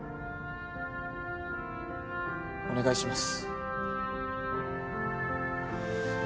お願いします